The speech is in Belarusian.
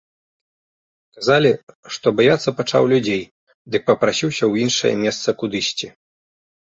Казалі, што баяцца пачаў людзей, дык папрасіўся ў іншае месца кудысьці.